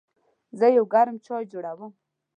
زه یو ګرم چای جوړوم.